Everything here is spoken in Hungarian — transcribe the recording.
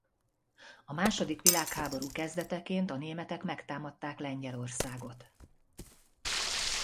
A második világháború kezdeteként a németek megtámadták Lengyelországot.